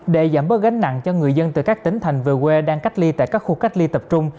để giảm bớt gánh nặng cho người dân từ các tỉnh thành về quê đang cách ly tại các khu cách ly tập trung